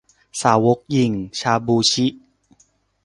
สาวกหยิ่ง ชาบู ชิ